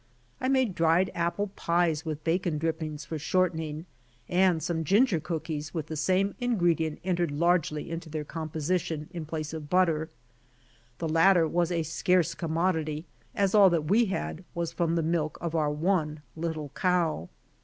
I made dried apple pies with bacon drippings for shortening; and some ginger cookies, with the same ingredient entering largely into their composi tion in place of butter. The latter was a scarce com y modity, as all that we had was from the milk of our r one little cow.